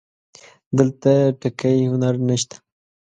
دلته ټکی هنر نه شته